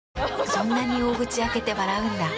そんなに大口開けて笑うんだ。